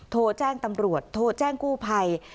โทรแจ้งตำรวจโทรแจ้งกู้ภัย